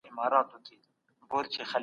دا خطرونه د قانوني بدلون لامل شوي دي.